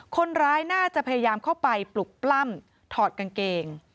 คนร้ายน่าจะพยายามเข้าไปปลุกปล้ำถอดกางเกง